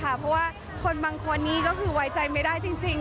เพราะว่าคนบางคนนี้ก็คือไว้ใจไม่ได้จริง